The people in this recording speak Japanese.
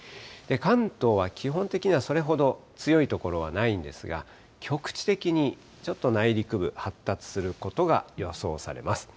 関東は基本的にはそれほど強い所はないんですが、局地的にちょっと内陸部、発達することが予想されます。